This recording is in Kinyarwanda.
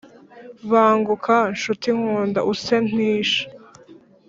Banguka, ncuti nkunda, use n’isha,